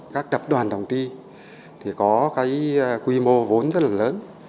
các tập đoàn tổng ti thì có cái quy mô vốn rất là lớn